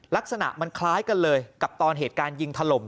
ลักษณะมันคล้ายกันเลยกับตอนเหตุการณ์ยิงถล่ม